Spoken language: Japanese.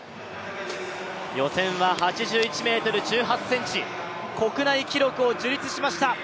予選は８１ｍ１８ｃｍ国内記録を樹立しました。